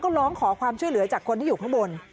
ก็ร้องขอความช่วยเหลือจากคนที่อยู่ข้างบน